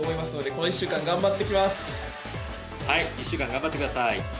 はい１週間頑張ってください。